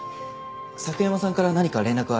佐久山さんから何か連絡はありましたか？